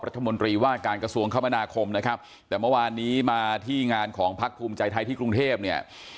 รัฐมนตรีว่าการกระทรวงคมนาคมนะครับแต่เมื่อวานนี้มาที่งานของพักภูมิใจไทยที่กรุงเทพเนี่ย